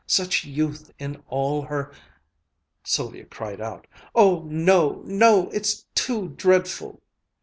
such youth in all her " Sylvia cried out, "Oh, no! no! it's too dreadful!"